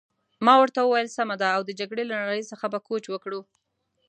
ما ورته وویل: سمه ده، او د جګړې له نړۍ څخه به کوچ وکړو.